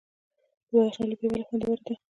د بدخشان لوبیا ولې خوندوره ده؟